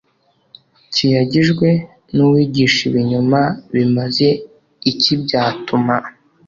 kiyagijwe n uwigisha ibinyoma bimaze iki byatuma